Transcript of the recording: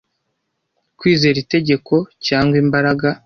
Kwizera itegeko, cyangwa imbaraga